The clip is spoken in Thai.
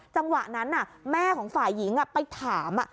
จังหวะนั้นแม่ของฝ่ายหญิงไปถาม